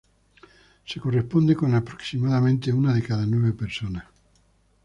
Se corresponde con aproximadamente una de cada nueve personas.